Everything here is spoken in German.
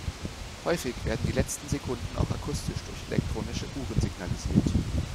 Häufig werden die letzten Sekunden auch akustisch durch elektronische Uhren signalisiert.